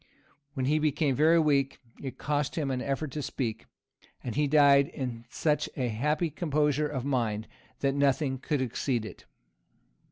When he became very weak, it cost him an effort to speak; and he died in such a happy composure of mind, that nothing could exceed it."